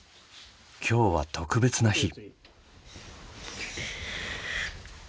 今日は特別な日。